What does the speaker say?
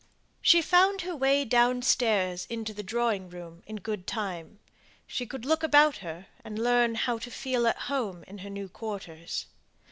She found her way downstairs into the drawing room in good time; she could look about her, and learn how to feel at home in her new quarters.